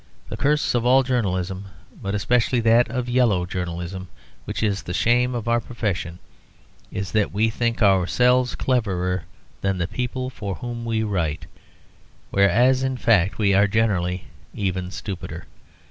The curse of all journalism, but especially of that yellow journalism which is the shame of our profession, is that we think ourselves cleverer than the people for whom we write, whereas, in fact, we are generally even stupider.